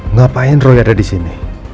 ngapain roy ada disini